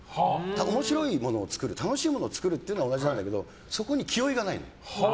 面白いものを作る楽しいものを作るっていうのは同じなんだけどそこに気負いがないの。